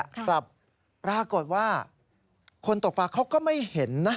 กลับปรากฏว่าคนตกปลาเขาก็ไม่เห็นนะ